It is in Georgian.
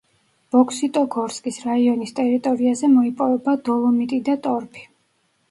ბოქსიტოგორსკის რაიონის ტერიტორიაზე მოიპოვება დოლომიტი და ტორფი.